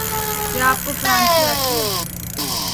کیا اپ کو فرانسیسی آتی ہے؟